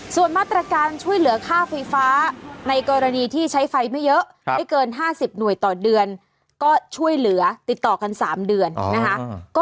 ส่วนมาตรการช่วยเหลือค่าไฟฟ้าในกรณีที่ใช้ไฟไม่เยอะไม่เกิน๕๐หน่วยต่อเดือนก็ช่วยเหลือติดต่อกัน๓เดือนนะคะ